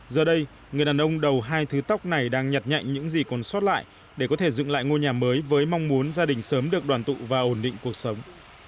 giờ đây người đàn ông đầu hai thứ tóc này đang nhặt nhạnh những gì còn sót lại để có thể dựng lại ngôi nhà mới với mong muốn gia đình sớm được đoàn tụ và ổn định cuộc sống